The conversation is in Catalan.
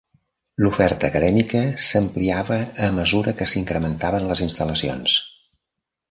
L'oferta acadèmica s'ampliava a mesura que s'incrementaven les instal·lacions.